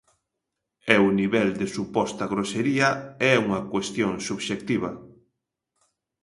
E o nivel de suposta grosería é unha cuestión subxectiva.